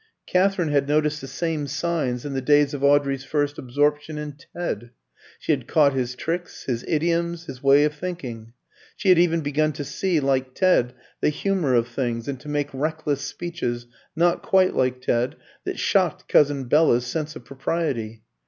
Katherine had noticed the same signs in the days of Audrey's first absorption in Ted. She had caught his tricks, his idioms, his way of thinking. She had even begun to see, like Ted, the humour of things, and to make reckless speeches, not quite like Ted, that shocked cousin Bella's sense of propriety.